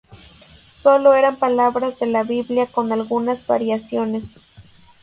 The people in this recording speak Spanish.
Solo eran palabras de la Biblia con algunas variaciones.